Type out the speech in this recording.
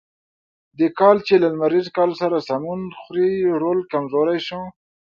د کال چې له لمریز کال سره سمون خوري رول کمزوری شو.